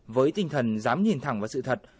với tinh thần dám nhìn thẳng vào sự thật